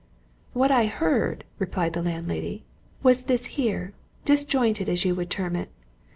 "What I heard," replied the landlady, "was this here disjointed, as you would term it.